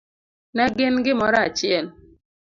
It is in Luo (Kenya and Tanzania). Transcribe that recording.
Ne gin gimoro achiel